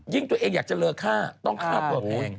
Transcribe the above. ยิ่งตัวเองอยากจะเลิกฆ่าต้องฆ่าตัวเอง